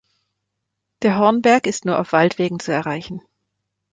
Der Hornberg ist nur auf Waldwegen zu erreichen.